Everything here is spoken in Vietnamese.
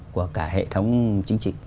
của cả hệ thống chính trị